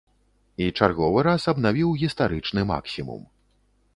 І чарговы раз абнавіў гістарычны максімум.